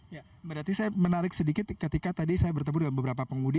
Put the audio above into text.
ya berarti saya menarik sedikit ketika tadi saya bertemu dengan beberapa pengemudi